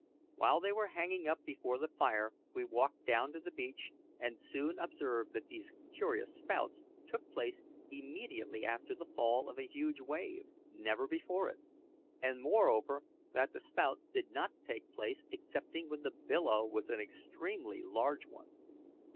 While they were hanging up before the fire we walked down to the beach, and soon observed that these curious spouts took place immediately after the fall of a huge wave, never before it; and, moreover, that the spouts did not take place excepting when the billow was an extremely large one.